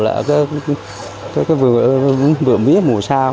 là cái vườn mía mùa sau